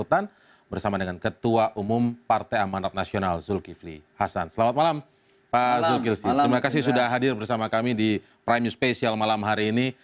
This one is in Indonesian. terima kasih sudah hadir bersama kami di prime news special malam hari ini